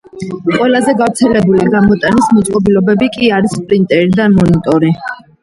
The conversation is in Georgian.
ყველაზე გავრცელებული გამოტანის მოწყობილობები კი არის პრინტერი და მონიტორი.